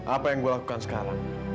apa yang gue lakukan sekarang